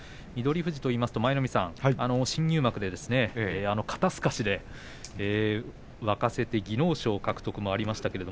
富士といいますと新入幕で肩すかしで沸かせて技能賞獲得もありました。